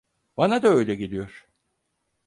Bana da öyle geliyor.